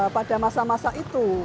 pada masa masa itu